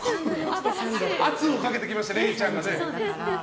圧をかけてきましたれいちゃんが。